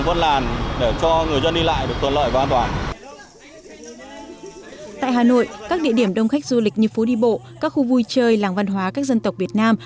tại hà nội các địa điểm đông khách du lịch như phố đi bộ các khu vui chơi làng văn hóa các dân tộc việt nam